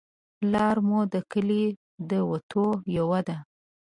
لار مو د کلي د وتو یوه ده